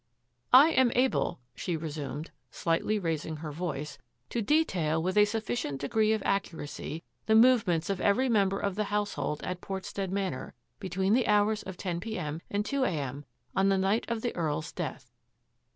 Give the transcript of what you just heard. " I am able," she resumed, slightly raising her voice, " to detail with a sufficient degree of ac curacy the movements of every member of the household at Portstead Manor between the hours of ten p. m. and two a. m. on the night of the Earl's death.